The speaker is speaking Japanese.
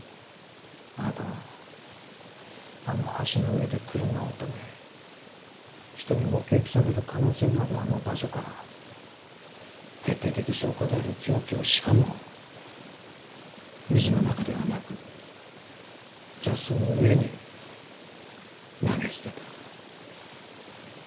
あなたはあの橋の上で車を止め人に目撃される可能性のあるあの場所から決定的証拠である凶器をしかも水の中ではなく雑草の上に投げ捨てた。